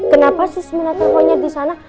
kenapa susmina telponnya disana